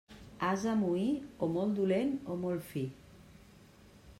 Ase moí, o molt dolent o molt fi.